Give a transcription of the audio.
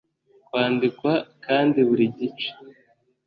kwandikwa kandi buri gice